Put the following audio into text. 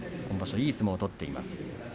いい相撲を取っています。